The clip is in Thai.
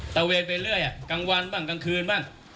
ระเวนไปเรื่อยกลางวันบ้างกลางคืนบ้าง